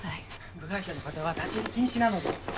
部外者の方は立ち入り禁止なので。